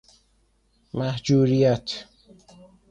محجوریت